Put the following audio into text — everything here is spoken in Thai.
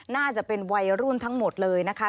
น่าจะเป็นวัยรุ่นทั้งหมดเลยนะคะ